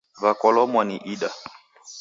Wakolomwa ni ida.